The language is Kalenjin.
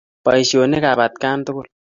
Baishonik ab atkan tugul